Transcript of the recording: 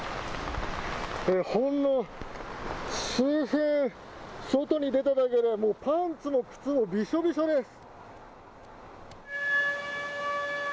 ほんの数分、外に出ただけで、パンツも靴もびしょびしょです。